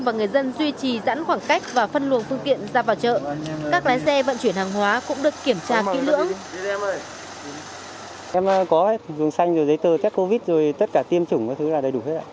vùng xanh giấy tờ test covid tất cả tiêm chủng là đầy đủ hết